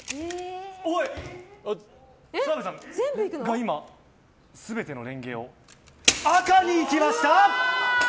澤部さんが今全てのレンゲを赤にいきました！